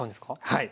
はい。